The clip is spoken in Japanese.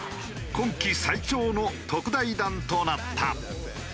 今季最長の特大弾となった。